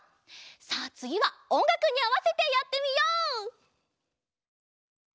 さあつぎはおんがくにあわせてやってみよう！